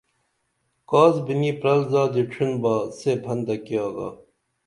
کاس بِنی پرل زادی ڇِھن با سے پھنتہ کی آگا